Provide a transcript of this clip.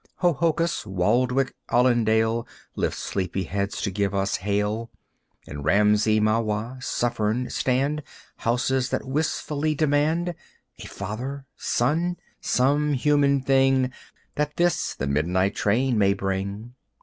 Hohokus, Waldwick, Allendale Lift sleepy heads to give us hail. In Ramsey, Mahwah, Suffern stand Houses that wistfully demand A father son some human thing That this, the midnight train, may bring.